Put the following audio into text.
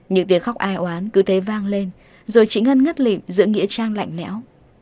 những tiếng khóc ai oán cứ thấy vang lên rồi chị ngân ngất lịp giữa nghĩa trang lạnh lẽo